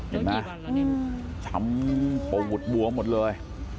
เห็นมั้ยช้ำโปวุดบวมหมดเลย